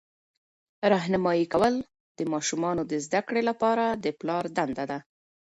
راهنمایي کول د ماشومانو د زده کړې لپاره د پلار دنده ده.